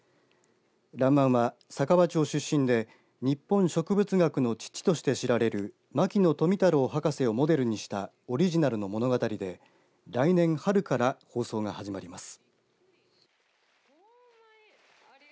らんまんは、佐川町出身で日本植物学の父として知られる牧野富太郎博士をモデルにしたオリジナルの物語で来年、春から放送が始まります。